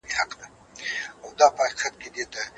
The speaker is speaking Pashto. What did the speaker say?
هغه د نورو پرمختګ ته خنډ نه جوړېږي.